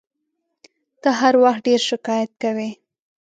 ته هر وخت ډېر شکایت کوې !